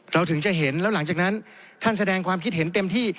ถึงจะเห็นแล้วหลังจากนั้นท่านแสดงความคิดเห็นเต็มที่